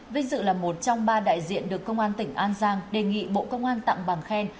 vinh dự là một trong ba đại diện được công an tỉnh an giang đề nghị bộ công an tặng bàn khen